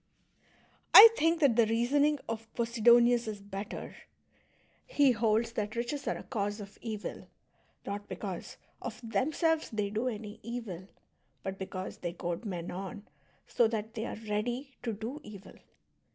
I think that the reasoning of Posidonius is better : he holds that riches are a cause of evil, not because, of themselves, they do any evil, but because they goad men on so that they are I'eady to do evil.